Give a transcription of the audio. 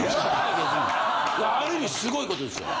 ある意味すごいことですよ。